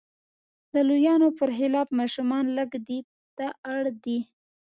د لویانو پر خلاف ماشومان لږ دې ته اړ دي.